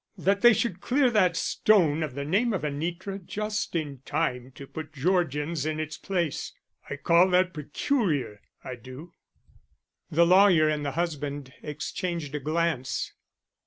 That they should clear that stone of the name of Anitra just in time to put Georgian's in its place. I call that peculiar, I do." The lawyer and the husband exchanged a glance.